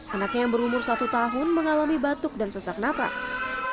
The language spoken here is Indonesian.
anaknya yang berumur satu tahun mengalami batuk dan sesak napas